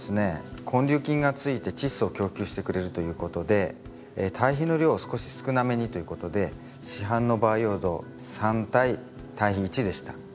根粒菌がついてチッ素を供給してくれるということで堆肥の量を少し少なめにということで市販の培養土３対堆肥１でした。